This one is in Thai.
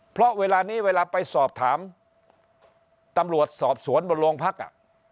เพราะเวลานี้เวลาไปสอบถามตำรวจสอบสวนบนโรงพักอ่ะ